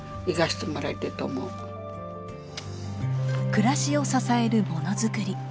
暮らしを支えるものづくり。